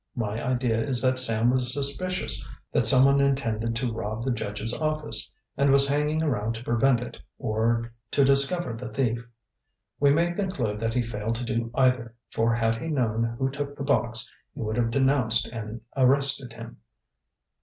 My idea is that Sam was suspicious that some one intended to rob the judge's office, and was hanging around to prevent it or to discover the thief. We may conclude that he failed to do either, for had he known who took the box he would have denounced and arrested him.